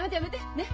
ねっ？